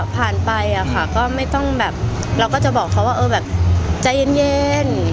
ไปอะค่ะก็ไม่ต้องแบบเราก็จะบอกเขาว่าเออแบบใจเย็น